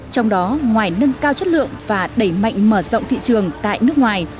trong đó ngoài nâng cao chất lượng và đẩy mạnh mở rộng thị trường tại nước ngoài